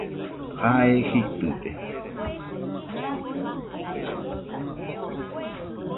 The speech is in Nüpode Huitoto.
Jae jitɨde